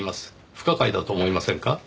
不可解だと思いませんか？